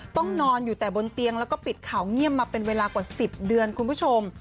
ต้องนอนอยู่แต่บนเตียงแล้วก็ปิดข่าวเงียบมาเป็นเวลากว่า๑๐เดือนคุณผู้ชม